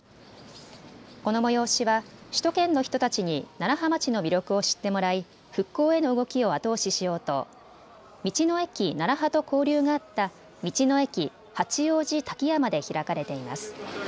この催しは首都圏の人たちに楢葉町の魅力を知ってもらい復興への動きを後押ししようと道の駅ならはと交流があった道の駅八王子滝山で開かれています。